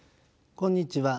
こんにちは。